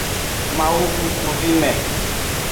Mawu ngkuvime.